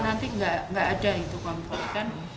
nanti nggak ada itu kompor kan